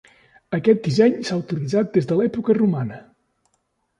Aquest disseny s'ha utilitzat des de l'època romana.